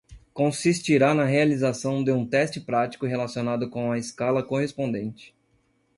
Consistirá na realização de um teste prático relacionado com a escala correspondente.